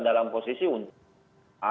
dalam posisi untuk